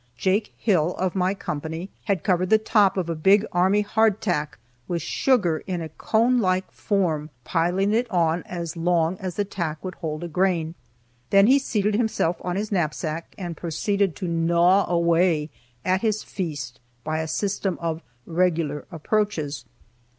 Jake Hill, of my company, had covered the top of a big army hardtack with sugar in a cone like form, piling it on as long as the tack would hold a grain. Then he seated himself on his knapsack and proceeded to gnaw away at his feast, by a system of "regular approaches."